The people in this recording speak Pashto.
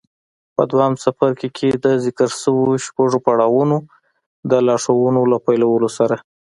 په دويم څپرکي کې د ذکر شويو شپږو پړاوونو د لارښوونو له پيلولو سره.